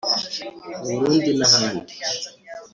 Burundi n’ahandi